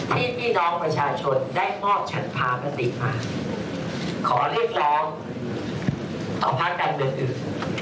ที่พี่น้องประชาชนได้มอบฉันพาประติมาขอเรียกรองต่อภาคกันเมื่อคืน